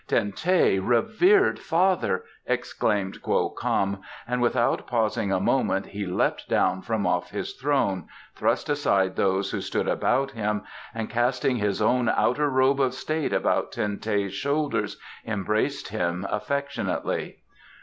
"Ten teh, revered father!" exclaimed Kwo Kam, and without pausing a moment he leapt down from off his throne, thrust aside those who stood about him and casting his own outer robe of state about Ten teh's shoulders embraced him affectionately.